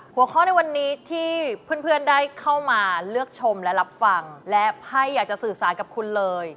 หัวข้อในวันนี้ที่เพื่อนได้เข้ามาเลือกชมและรับฟังและไพ่อยากจะสื่อสารกับคุณเลย